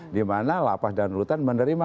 dimana lapah dan lutan menerima